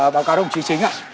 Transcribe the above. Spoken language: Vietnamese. báo cáo đồng chí chính ạ